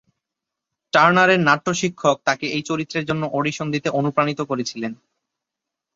টার্নারের নাট্য শিক্ষক তাকে এই চরিত্রের জন্য অডিশন দিতে অনুপ্রাণিত করেছিল।